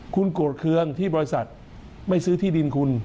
คุณโกรธเครื่องที่บริษัทไม่ซื้อที่ดินคุณ